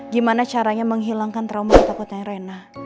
gimana caranya menghilangkan trauma takutnya rena